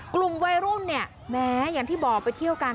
กลุ่มวัยรุ่นเนี่ยแม้อย่างที่บอกไปเที่ยวกัน